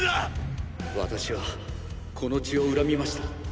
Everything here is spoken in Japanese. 私はこの血を恨みました。